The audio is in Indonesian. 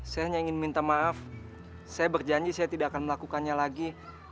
saya berjanji saya tidak akan melakukannya lagi